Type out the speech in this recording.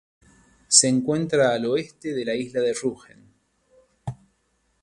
Se encuentra al oeste de la isla de Rügen.